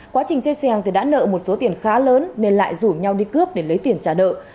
quá trình chơi xe hàng thì đã nợ một số tiền khá lớn nên lại rủ nhau đi cướp để lấy tiền trả nợ